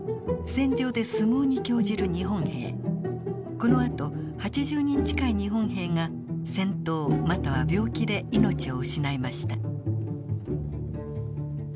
このあと８０人近い日本兵が戦闘または病気で命を失いました。